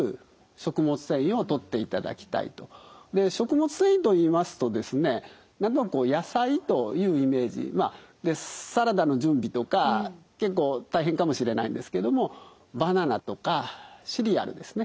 で食物繊維といいますとですね何となくこう野菜というイメージまあサラダの準備とか結構大変かもしれないんですけどもバナナとかシリアルですね